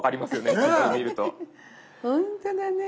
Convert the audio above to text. ほんとだねえ。